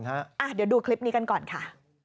เดี๋ยวดูคลิปนี้กันก่อนค่ะ